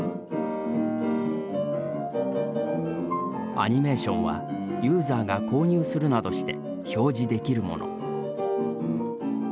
アニメーションはユーザーが購入するなどして表示できるもの。